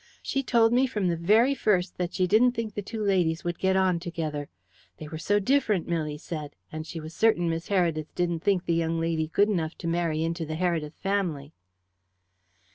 She told me from the very first that she didn't think the two ladies would get on together. They were so different, Milly said, and she was certain Miss Heredith didn't think the young lady good enough to marry into the Heredith family."